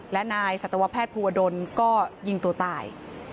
และนายสัตวแพทย์ภูวดลก็ยิงตัวตาย